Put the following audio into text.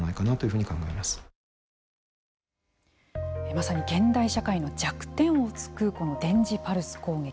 まさに現代社会の弱点をつくこの電磁パルス攻撃。